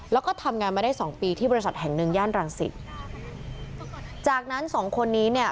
แล้วก็ทำงานมาได้สองปีที่บริษัทแห่งหนึ่งย่านรังสิตจากนั้นสองคนนี้เนี่ย